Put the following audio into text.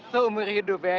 seumur hidup ya